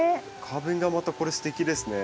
花弁がまたこれすてきですね。